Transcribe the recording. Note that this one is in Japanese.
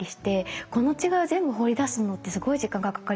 この違いを全部彫りだすのってすごい時間がかかりそうですよね。